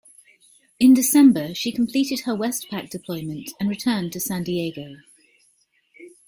In December, she completed her WestPac deployment and returned to San Diego.